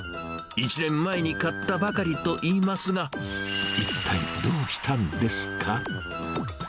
１年前に買ったばかりと言いますが、一体どうしたんですか。